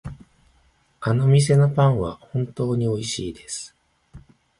あの店のパンは本当においしいです。